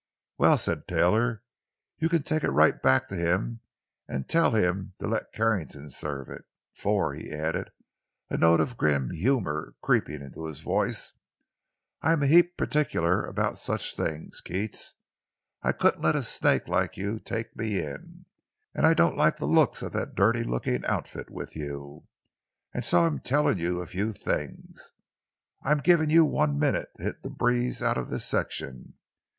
"Well," said Taylor, "you can take it right back to him and tell him to let Carrington serve it. For," he added, a note of grim humor creeping into his voice, "I'm a heap particular about such things, Keats. I couldn't let a sneak like you take me in. And I don't like the looks of that dirty looking outfit with you. And so I'm telling you a few things. I'm giving you one minute to hit the breeze out of this section.